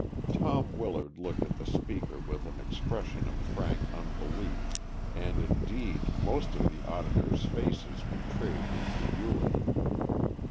Tom Willard looked at the speaker with an expression of frank unbelief, and, indeed, most of the auditors' faces betrayed incredulity.